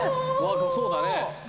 そうだね！